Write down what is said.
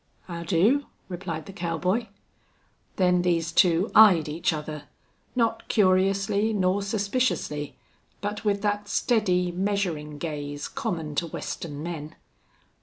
"Hod do," replied the cowboy. Then these two eyed each other, not curiously nor suspiciously, but with that steady, measuring gaze common to Western men.